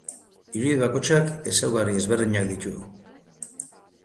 Irudi bakoitzak ezaugarri ezberdinak ditu.